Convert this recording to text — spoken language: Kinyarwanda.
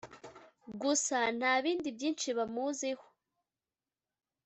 gusa nta bindi byinshi bamuziho